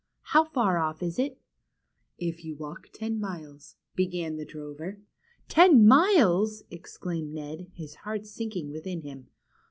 How far off is it ?" If you walk ten miles," began the drover — Ten miles !" exclaimed Ned, his heart sinking within him.